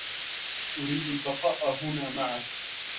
أريد البقاء هنا معك.